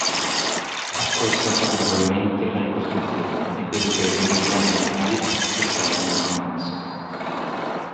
Accolsero favorevolmente la Ricostruzione e quello che i Repubblicani radicali sostennero nel Congresso.